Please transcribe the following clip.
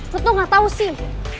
lo tuh gak tau sih